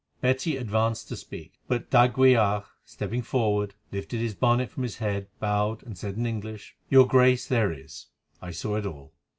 Betty advanced to speak, but d'Aguilar, stepping forward, lifted his bonnet from his head, bowed and said in English: "Your Grace, there is; I saw it all.